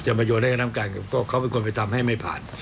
จะมโยชน์ได้คำถามการก็เขาเป็นคนไปทำให้ไม่ผ่าน